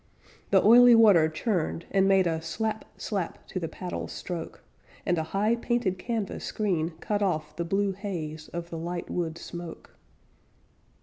The oily water churned And made a slap slap to the paddles' stroke; And a high painted canvas screen cut off The blue haze of the lightwood smoke.